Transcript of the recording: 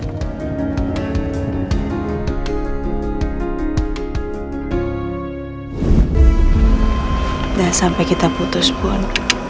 tidak sampai kita putus pun